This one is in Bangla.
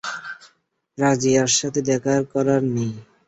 রাজিয়ার সাথে দেখার করার নেই।